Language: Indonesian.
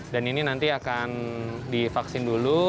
dan ini nanti akan divaksin dulu